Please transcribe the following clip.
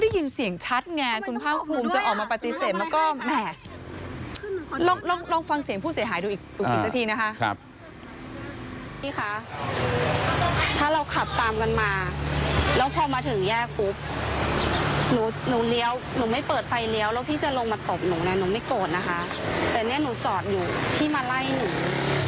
แต่นี่หนูจอดอยู่พี่มาไล่หนู